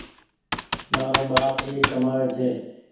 مآرو ٻآپ ايڪ ڪمآوي ڇي